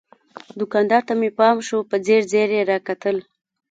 دوکاندار ته مې پام شو، په ځیر ځیر یې را کتل.